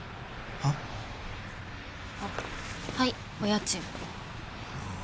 あっはいお家賃あ